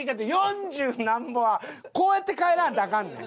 四十なんぼはこうやって帰らんとアカンねん。